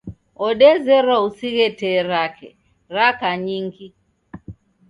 Wodezerwa usighe tee rake raka nyingi.